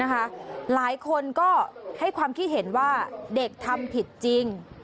หลายคนก็ให้ความคิดเห็นว่าเด็กทำผิดจริง